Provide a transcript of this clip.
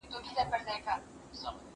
زه به سبا کتابونه لوستل کوم!.